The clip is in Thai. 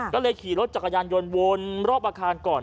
ก็เลยขี่รถจักรยานยนต์วนรอบอาคารก่อน